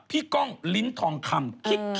ก้องลิ้นทองคำ